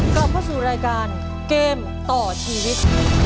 กลับเข้าสู่รายการเกมต่อชีวิต